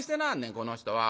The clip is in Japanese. この人は。